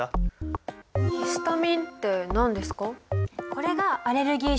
ヒスタミンって何ですか？